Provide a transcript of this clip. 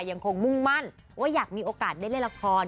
ยังคงมุ่งมั่นว่าอยากมีโอกาสได้เล่นละคร